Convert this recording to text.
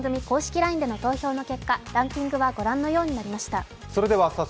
ＬＩＮＥでの投票の結果、ランキングはご覧のようになりました。